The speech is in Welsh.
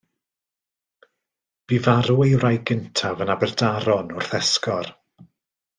Bu farw ei wraig gyntaf yn Aberdaron wrth esgor.